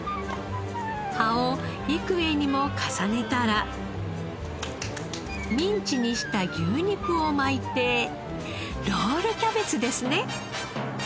葉を幾重にも重ねたらミンチにした牛肉を巻いてロールキャベツですね！